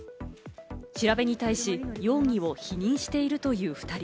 調べに対し、容疑を否認しているという２人。